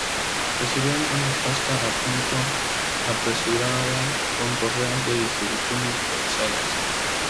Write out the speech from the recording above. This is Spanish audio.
Recibieron una puesta a punto apresurada con correas de distribución improvisadas.